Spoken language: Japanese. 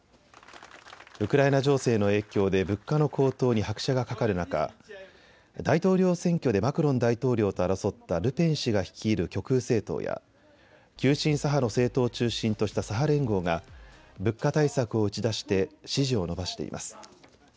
ウクライナ情勢の影響で物価の高騰に拍車がかかる中、大統領選挙でマクロン大統領と争ったルペン氏が率いる極右政党や急進左派の政党を中心とした左派連合が物価対策を打ち出して支持を伸ばしています。